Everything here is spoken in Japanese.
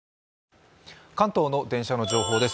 関東の電車の情報です。